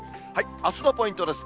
あすのポイントです。